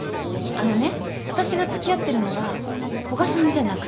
あのね私が付き合ってるのは古賀さんじゃなくて。